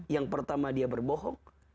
yang pertama dia berbohong